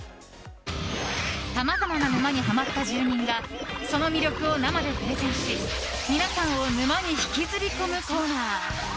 さまざまな沼にハマった住人がその魅力を生でプレゼンし皆さんを沼に引きずり込むコーナー。